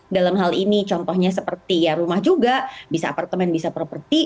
dalam hal ini contohnya seperti ya rumah juga bisa apartemen bisa properti